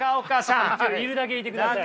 いるだけいてください。